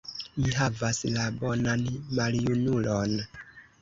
Mi havas la «bonan maljunulon».